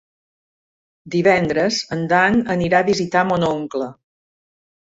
Divendres en Dan anirà a visitar mon oncle.